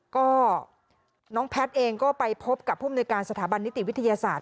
ก็น้องแพทย์เองก็ไปพบกับผู้มนุยการสถาบันนิติวิทยาศาสต